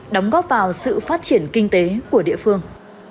đóng góp vào sự phát triển kinh tế của địa phương